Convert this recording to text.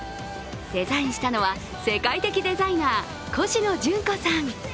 デザインしたのは世界的デザイナーコシノジュンコさん。